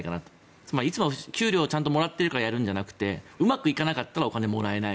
つまり、いつも給料をちゃんともらっているからやるんじゃなくてうまくいかないとお金もらえないと。